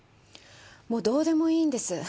もうどうでもいいんです。